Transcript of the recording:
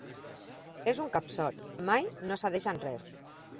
És un capsot, mai no cedeix en res.